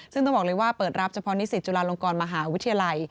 ซึ่งต้องบอกเลยว่าเปิดรับเฉพาะนิสิตจุฬาลงกรมหาวิทยาลัย